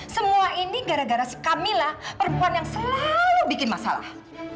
semua ini gara gara kamilah perempuan yang selalu bikin masalah